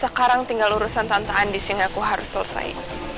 sekarang tinggal urusan tante andi yang aku harus selesai